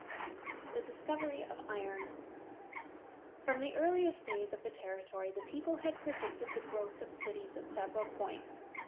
THE DISCOVERY OF IRON. From the earliest days of the territory the people had predicted the growth of cities at several points.